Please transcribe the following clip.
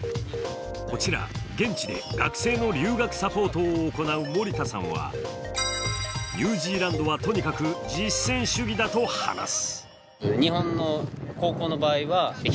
こちら、現地で学生の留学サポートを行う森田さんはニュージーランドはとにかく実戦主義だと話す。